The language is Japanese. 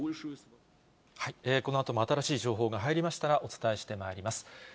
このあとも新しい情報が入りましたら、お伝えしてまいります。